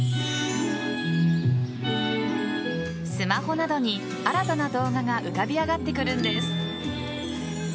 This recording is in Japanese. スマホなどに、新たな動画が浮かび上がってくるんです。